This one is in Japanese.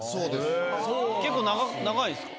結構長いんですか？